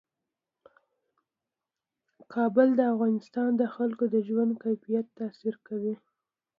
کابل د افغانستان د خلکو د ژوند کیفیت تاثیر کوي.